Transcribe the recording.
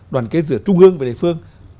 đoàn kết giữa trung ương và địa phương